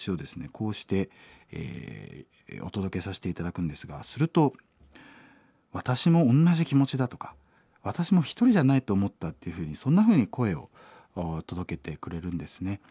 こうしてお届けさせて頂くんですがすると私もおんなじ気持ちだとか私も一人じゃないと思ったっていうふうにそんなふうに声を届けてくれるんですね。